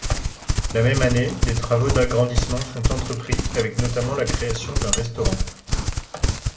La même année, des travaux d'agrandissement sont entrepris, avec notamment la création d'un restaurant.